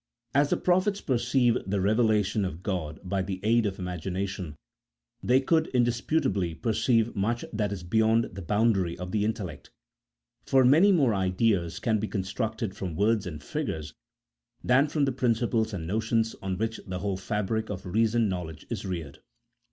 As the prophets perceived the revelations of God by the aid of imagination, they could indisputably perceive much that is beyond the boundary of the intellect, for many more ideas can be constructed from words and figures than from the principles and notions on which the whole fabric of reasoned knowledge is reared.